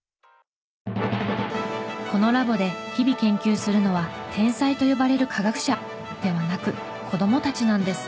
このラボで日々研究するのは天才と呼ばれる科学者ではなく子供たちなんです。